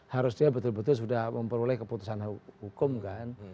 harus dia betul betul sudah memperoleh keputusan hukum kan